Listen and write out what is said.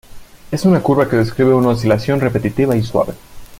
Es una curva que describe una oscilación repetitiva y suave.